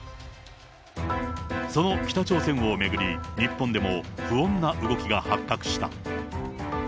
その北朝鮮を巡り、日本でも不穏な動きが発覚した。